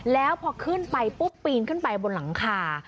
แล้วพอขึ้นไปปุ๊บปีนขึ้นไปบนหลังคา